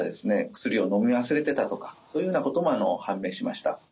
薬をのみ忘れてたとかそういうようなことも判明しました。